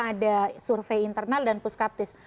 ada survei internal dan puskaptis